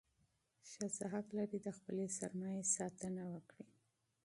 ښځه حق لري چې د خپل مال تصرف وکړي.